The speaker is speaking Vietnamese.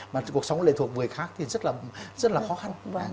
mà cuộc sống lệ thuộc người khác thì rất là khó khăn